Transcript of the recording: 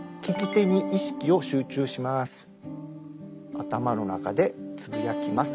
頭の中でつぶやきます。